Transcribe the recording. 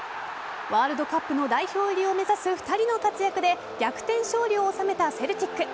ワールドカップの代表入りを目指す２人の活躍で逆転勝利を収めたセルティック。